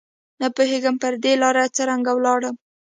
نه پوهېږم پر دې لاره څرنګه ولاړم